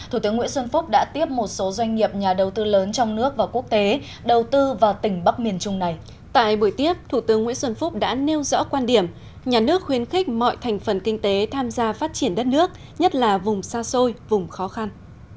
hôm nay buổi tiếp thủ tướng nguyễn xuân phúc đã nêu rõ quan điểm nhà nước khuyến khích mọi thành phần kinh tế tham gia phát triển đất nước nhất là vùng xa xôi vùng khó khăn